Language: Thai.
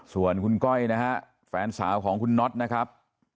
ส่วนคุณก้อยนะฮะแฟนสาวของคุณน็อตนะครับ